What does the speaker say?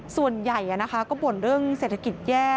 ส่วนใหญ่ก็บ่นเรื่องเศรษฐกิจแย่